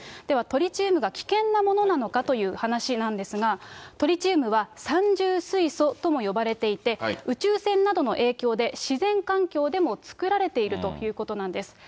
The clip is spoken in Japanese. ではトリチウムが危険なものなのかという話なんですが、トリチウムは、三重水素とも呼ばれていて、宇宙線などの影響で、自然環境でも作られているということなんです。